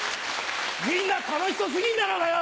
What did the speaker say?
みんな楽しそう過ぎんだろうがよ！